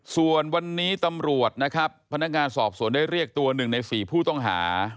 ส่วนวันนี้ตำรวจนะครับพนักงานสอบสวนได้เรียกตัว๑ใน๔ผู้ต้องหา